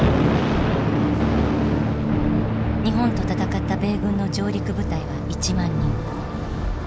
日本と戦った米軍の上陸部隊は１万人。